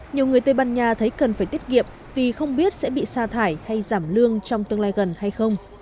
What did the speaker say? nhiều người tây ban nha thấy cần phải tiết kiệm vì không biết sẽ bị sa thải hay giảm lương trong tương lai gần hay không